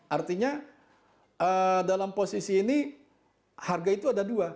artinya dalam posisi ini harga itu ada dua